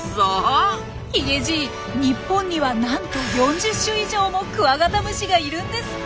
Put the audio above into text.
ヒゲじい日本にはなんと４０種以上もクワガタムシがいるんですって！